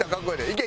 いけ！